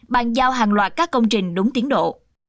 bàn giao hàng loạt các công trình đúng tiến độ